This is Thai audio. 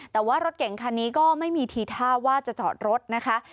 แต่ว่ารถเก่งคันนี้ก็ไม่มีทีท่าว่าจะจอดรถนะคะ